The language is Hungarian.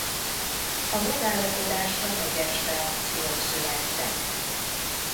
A megállapodásra vegyes reakciók születtek.